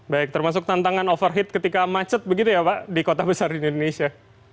baik termasuk tantangan overheat ketika macet begitu ya pak di kota besar di indonesia